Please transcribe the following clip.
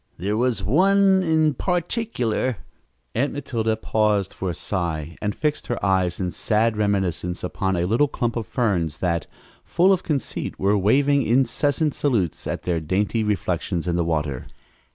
There was one in particular " Aunt Matilda paused for a sigh and fixed her eyes in sad reminiscence upon a little clump of ferns that, full of conceit, were waving incessant salutes at their dainty reflections in the water.